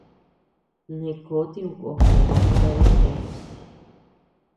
Neʼë kó tiʼö ko, per gua jikadi geá.